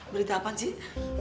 berita apa cik